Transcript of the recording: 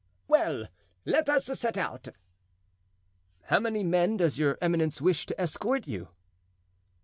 "Well, let us set out." "How many men does your eminence wish to escort you?"